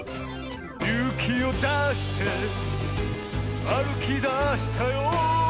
「ゆうきをだしてあるきだしたよ」